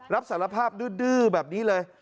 รับสารภาพดื้อแบบนี้เลย